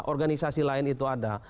organisasi lain itu ada